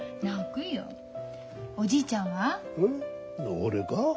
俺か？